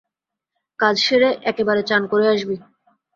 কাজ সেরে একেবারে চান করে আসবি।